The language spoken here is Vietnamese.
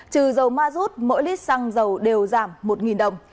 trừ dầu ma rút mỗi lít xăng dầu đều giảm một đồng